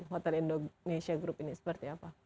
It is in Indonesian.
hotel indonesia group ini seperti apa